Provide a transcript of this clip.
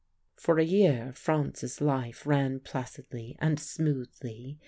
"For a year Franz's life ran placidly and smoothly.